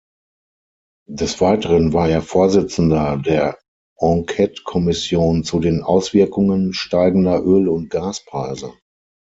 Des Weiteren war er Vorsitzender der Enquetekommission zu den Auswirkungen steigender Öl- und Gaspreise.